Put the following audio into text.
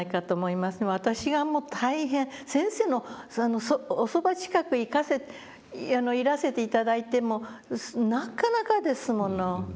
私がもう大変先生のおそば近く行かせていらせて頂いてもなかなかですもの。